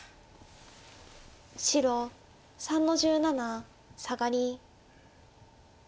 白３の十七サガリ。